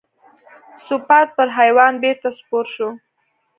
سپور پر حیوان بېرته سپور شو.